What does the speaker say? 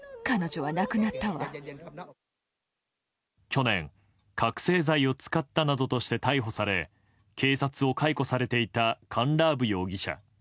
去年、覚醒剤を使ったなどとして逮捕され警察を解雇されていたカンラーブ容疑者。